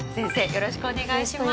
よろしくお願いします。